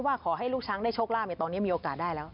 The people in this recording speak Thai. ขอให้ลูกช้างได้โชคลาภตอนนี้มีโอกาสได้แล้ว